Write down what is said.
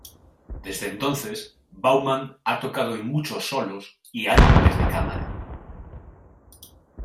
Desde entonces, Baumann ha tocado en muchos solos y álbumes de cámara.